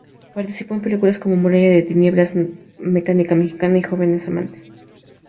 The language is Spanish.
Participó en películas como "Muralla de tinieblas", "Mecánica mexicana" y "Jóvenes amantes".